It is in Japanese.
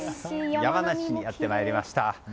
山梨にやってまいりました。